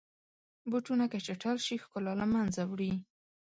بوټونه که چټل شي، ښکلا له منځه وړي.